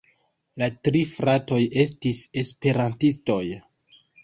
La tri fratoj estis Esperantistoj.